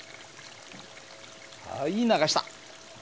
はい流した。